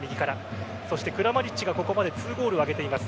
そしてクラマリッチがここまで２ゴールを挙げています。